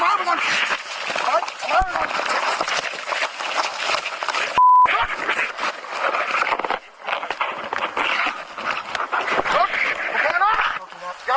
้าบอกว่าจะปล้องขวัง